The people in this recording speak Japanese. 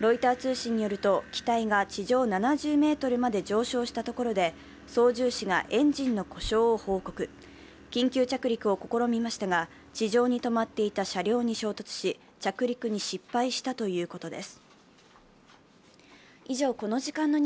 ロイター通信によると機体が地上７０ｍまで上昇したところで操縦士がエンジンの故障を報告、緊急着陸を試みましたが地上に止まっていた車両に衝突し着陸に失敗したということです。